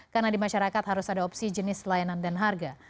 karena di masyarakat harus ada opsi jenis layanan dan harga